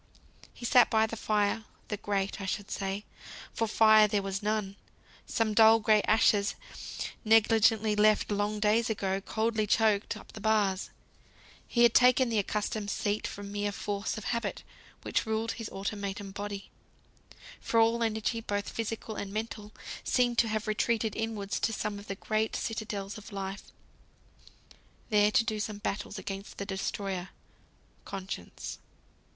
He sat by the fire; the grate I should say, for fire there was none. Some dull, gray ashes, negligently left, long days ago, coldly choked up the bars. He had taken the accustomed seat from mere force of habit, which ruled his automaton body. For all energy, both physical and mental, seemed to have retreated inwards to some of the great citadels of life, there to do battle against the Destroyer, Conscience.